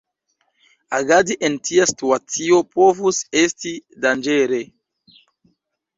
Agadi en tia situacio povus esti danĝere.